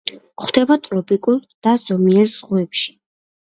გვხვდება ტროპიკულ და ზომიერ ზღვებში.